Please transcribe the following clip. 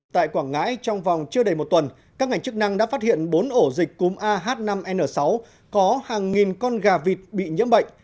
tại quảng ngãi trong vòng chưa đầy một tuần các ngành chức năng đã phát hiện bốn ổ dịch cúm ah năm n sáu có hàng nghìn con gà vịt bị nhiễm bệnh